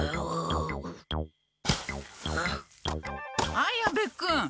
綾部君。